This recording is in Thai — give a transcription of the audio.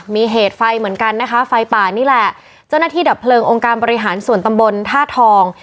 มีเหตุไฟเหมือนกันนะคะไฟป่านี่แหละเจ้าหน้าที่ดับเพลิงองค์การบริหารส่วนตำบลท่าทอง